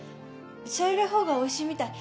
茶色い方がおいしいみたい。